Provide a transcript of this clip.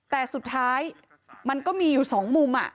แต่สุดท้ายมันก็มีอยู่๒มุม